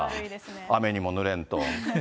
雨にもぬれんと。